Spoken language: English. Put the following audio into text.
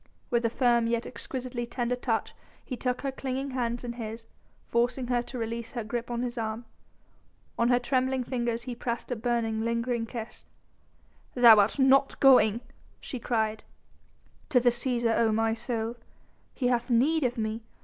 With a firm yet exquisitely tender touch he took her clinging hands in his, forcing her to release her grip on his arm. On her trembling fingers then he pressed a burning, lingering kiss. "Thou art not going!" she cried. "To the Cæsar, O my soul! He hath need of me!